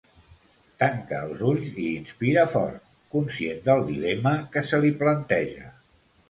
Tanca els ulls i inspira fort, conscient del dilema que se li planteja.